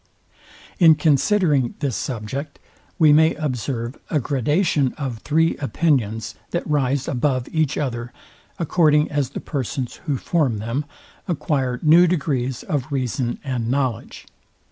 In considering this subject we may observe a gradation of three opinions, that rise above each other, according as the persons, who form them, acquire new degrees of reason and knowledge.